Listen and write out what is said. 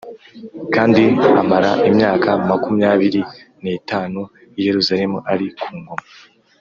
kandi amara imyaka makumyabiri n’itanu i Yerusalemu ari ku ngoma